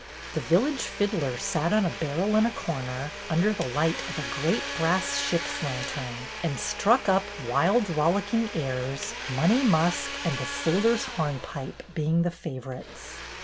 The village fiddler sat on a barrel in a corner, under the light of a great brass ship's lantern, and struck up wild rollicking airs, "Money Musk" and "The Sailor's Hornpipe" being 88 BETTY BAIRD'S GOLDEN YEAR the favorites.